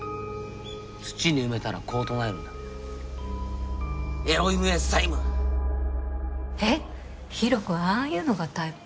土に埋めたらこう唱えるんだエロイムエッサイムえっ比呂子ああいうのがタイプ？